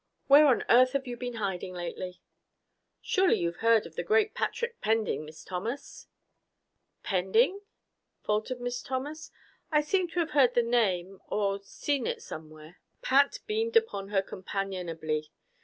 Where on earth have you been hiding lately?" "Surely you've heard of the great Patrick Pending, Miss Thomas?" asked Joyce. "Pending?" faltered Miss Thomas. "I seem to have heard the name. Or seen it somewhere " Pat beamed upon her companionably.